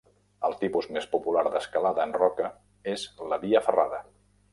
El tipus més popular d'escalada en roca és la via ferrada.